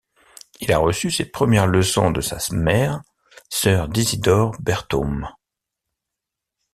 Il a reçu ses premières leçons de sa mère, sœur d'Isidore Bertheaume.